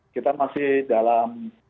kita masih dalam